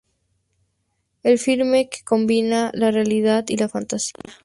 El filme, que combina la realidad y la fantasía.